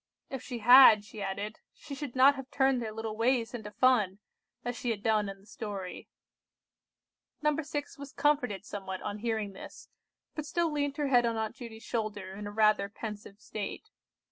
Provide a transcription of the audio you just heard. If she had, she added, she should not have turned their little ways into fun, as she had done in the story. No. 6 was comforted somewhat on hearing this, but still leant her head on Aunt Judy's shoulder in a rather pensive state.